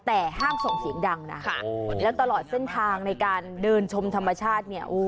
แต่ห้ามส่งเสียงดังนะแล้วตลอดเส้นทางในการเดินชมธรรมชาติเนี่ย